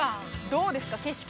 どうですか、景色。